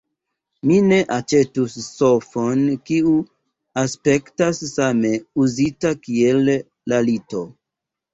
Mi ne aĉetus sofon kiu aspektas same uzita kiel la lito.